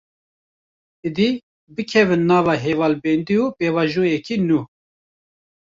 Êdî, bikevin nava hevalbendî û pêvajoyeke nû